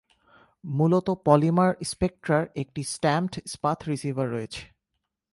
মূলত পলিমার স্পেকট্রার একটি স্ট্যাম্পড ইস্পাত রিসিভার রয়েছে।